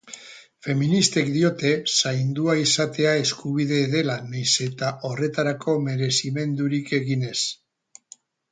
Feministek diote zaindua izatea eskubide dela nahiz eta horretarako merezimendurik egin ez